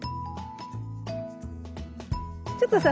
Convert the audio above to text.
ちょっとさ